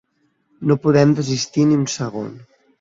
No podem desistir ni un segon.